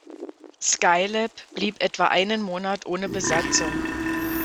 Skylab blieb etwa einen Monat ohne Besatzung.